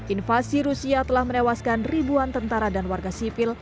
invasi rusia telah menewaskan ribuan tentara dan warga sipil